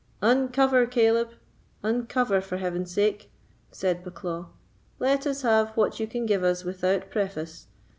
"Uncover, Caleb! uncover, for Heaven's sake!" said Bucklaw; "let us have what you can give us without preface.